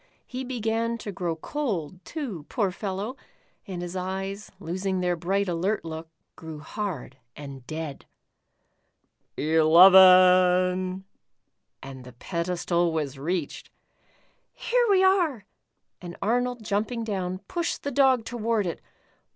He beean to l>tow cold, too, poor fellow, and his eyes, losing their bright alert look, grew hard and dead. ''Eleven f' and the pedestal was reached. "Here we are," and Arnold jumping down, pushed the Dog toward it